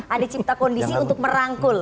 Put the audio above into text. ada cipta kondisi untuk merangkul